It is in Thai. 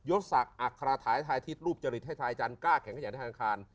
ยกศักดิ์อัคราถายถ่ายทิศรูปจริตให้ถ่ายจันทร์